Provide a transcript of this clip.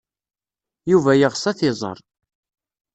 Yuba yeɣs ad t-iẓer.